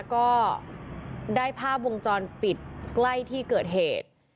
ก็ได้ภาพวงจรปิดใกล้ที่เกิดเหตุ